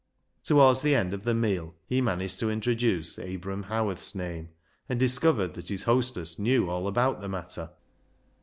Towards the end of the meal he managed to introduce Abram Howarth's name, and dis covered that his hostess knew all about the matter.